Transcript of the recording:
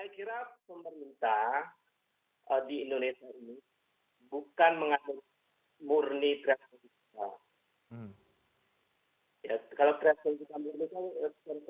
saya kira pemerintah di indonesia ini bukan mengandung murni kreatif